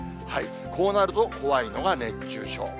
こうなると怖いのが熱中症。